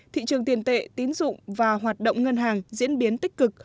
thị trường tiền tệ tín dụng và hoạt động ngân hàng diễn biến tích cực